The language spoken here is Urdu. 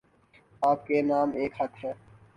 آپ کے نام ایک خط ہے